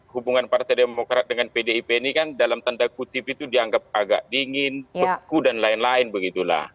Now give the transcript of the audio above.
hubungan partai demokrat dengan pdip ini kan dalam tanda kutip itu dianggap agak dingin beku dan lain lain begitulah